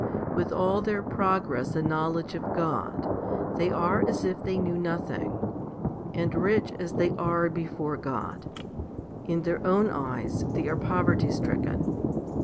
With all their progress and knowledge of God, they are as if they knew nothing, and rich as they are before God, in their own eyes they are poverty stricken.